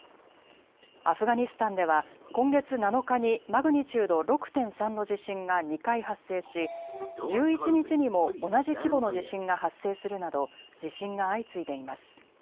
アフガニスタンでは今月７日にマグニチュード６．３の地震が２回発生し１１日にも同じ規模の地震が発生するなど地震が相次いでいます。